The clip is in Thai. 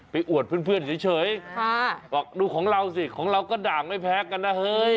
อวดเพื่อนเฉยบอกดูของเราสิของเราก็ด่างไม่แพ้กันนะเฮ้ย